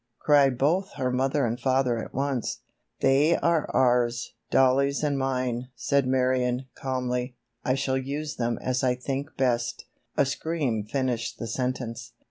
cried both her mother and father at once. "They are ours—Dollie's and mine," said Marion, calmly. "I shall use them as I think best——" A scream finished the sentence.